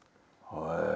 へえ！